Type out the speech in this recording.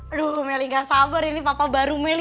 aduh melly gak sabar ini papa baru meli